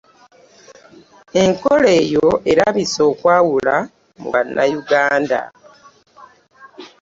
Enkola eyo erabise okwawula mu bannayuganda.